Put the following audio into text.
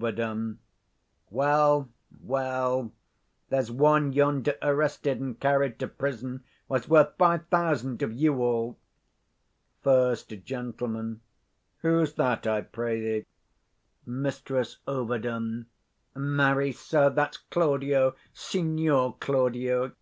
_ Well, well; there's one yonder arrested and carried to prison was worth five thousand of you all. Sec. Gent. Who's that, I pray thee? 60 Mrs Ov. Marry, sir, that's Claudio, Signior Claudio.